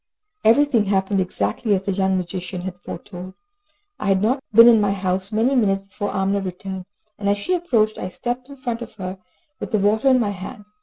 Everything happened exactly as the young magician had foretold. I had not been in my house many minutes before Amina returned, and as she approached I stepped in front of her, with the water in my hand.